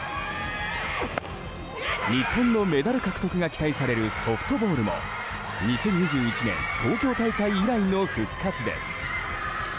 日本のメダル獲得が期待されるソフトボールも２０２１年東京大会以来の復活です。